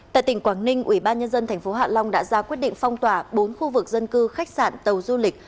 tại tỉnh quảng ninh ubnd tp hạ long đã ra quyết định phong tỏa bốn khu vực dân cư khách sạn tàu du lịch